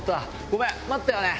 ごめん待ったよね！